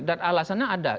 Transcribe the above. dan alasannya ada